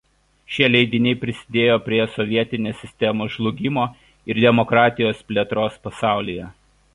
Šie leidiniai prisidėjo prie sovietinės sistemos žlugimo ir demokratijos plėtros pasaulyje.